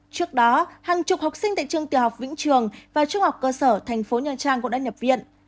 trước đó hàng chục học sinh tại trường tiểu học vĩnh trường và trung học cơ sở tp nhân trang cũng đã nhập viện